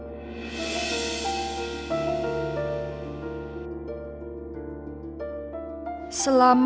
selama mama masih bersih keras dia pelakunya